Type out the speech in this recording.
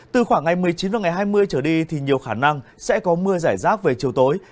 từ khoảng ngày một mươi chín và ngày hai mươi trở đi thì nhiều khả năng sẽ có mưa giải rác về chiều tối